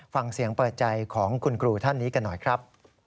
ฟังเสียงเปิดใจของคุณครูท่านนี้กันหน่อยครับ